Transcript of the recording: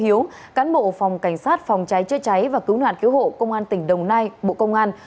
hiếu cán bộ phòng cảnh sát phòng cháy chữa cháy và cứu nạn cứu hộ công an tỉnh đồng nai bộ công an